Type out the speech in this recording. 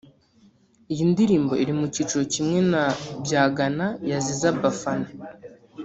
Iyi ndirimbo iri mu cyiciro kimwe na Byagana ya Ziza Bafana